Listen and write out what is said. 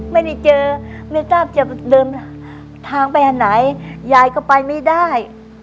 ไม่ได้เจอไม่ทราบจะเดินทางไปอันไหนยายก็ไปไม่ได้